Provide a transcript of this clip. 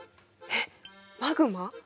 えっマグマ？